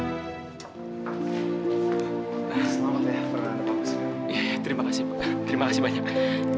terima kasih banyak